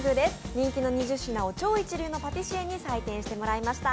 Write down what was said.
人気の２０品を超一流のパティシエに採点していただきました。